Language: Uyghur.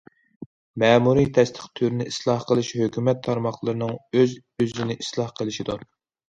مەمۇرىي تەستىق تۈرىنى ئىسلاھ قىلىش ھۆكۈمەت تارماقلىرىنىڭ ئۆز- ئۆزىنى ئىسلاھ قىلىشىدۇر.